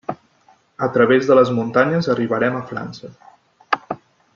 A través de les muntanyes arribarem a França.